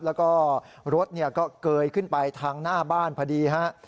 แล้วก็รถก็เกยขึ้นไปทางหน้าบ้านพอดีฮะ